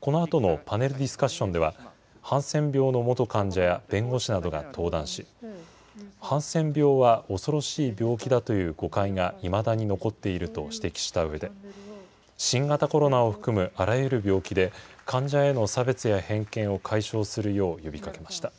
このあとのパネルディスカッションでは、ハンセン病の元患者や弁護士などが登壇し、ハンセン病は恐ろしい病気だという誤解がいまだに残っていると指摘したうえで、新型コロナを含むあらゆる病気で、患者への差別や偏見を解消するよう呼びかけました。